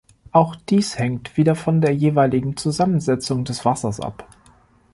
Auch dies hängt wieder von der jeweiligen Zusammensetzung des Wassers ab.